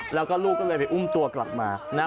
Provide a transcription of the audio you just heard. แล้วก็ลูกก็เลยไปอุ้มตัวกลับมานะ